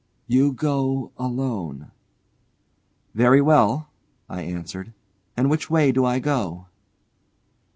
"You go alone." "Very well," I answered. "And which way do I go?"